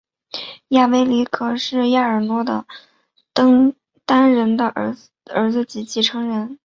亚维力格是亚尔诺的登丹人的儿子及继承人。